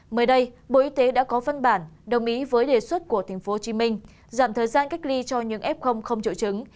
mới đây bộ y tế đã có phân bản đồng ý với đề xuất của tp hcm giảm thời gian cách ly cho những f không triệu chứng